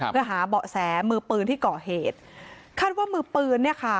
เพื่อหาเบาะแสมือปืนที่ก่อเหตุคาดว่ามือปืนเนี่ยค่ะ